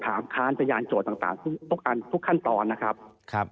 ค้านพยานโจทย์ต่างทุกขั้นตอนนะครับ